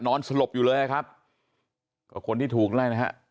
สลบอยู่เลยครับก็คนที่ถูกไล่นะฮะ